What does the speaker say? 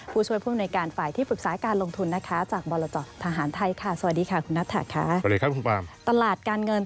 ผู้ช่วยผู้บำเนยการ